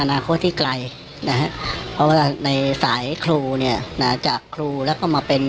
นาคตที่ไกลนะฮะเพราะว่าในสายครูเนี่ยนะจากครูแล้วก็มาเป็น